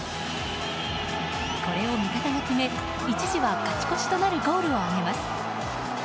これを味方が決め一時は勝ち越しとなるゴールを挙げます。